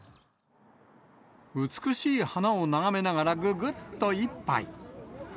美しい花を眺めながら、ぐぐっと一杯。